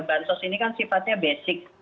bahan sos ini kan sifatnya basic